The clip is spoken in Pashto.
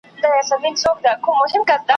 زما پر کهاله لویه سې ملاله مېړنۍ ,